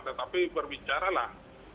tetapi berbicara lah